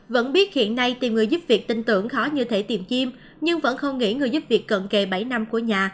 vẫn biết hiện nay tìm người giúp việc tin tưởng khó như thể tìm chim nhưng vẫn không nghỉ người giúp việc cận kề bảy năm của nhà